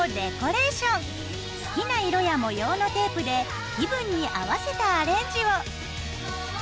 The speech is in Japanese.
好きな色や模様のテープで気分に合わせたアレンジを。